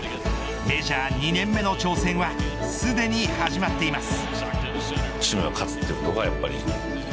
メジャー２年目の挑戦はすでに始まっています。